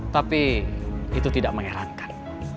tapi itu tidak mengerankan